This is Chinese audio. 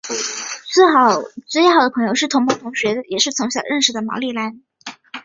最要好的朋友是同班同学也是从小就认识的毛利兰。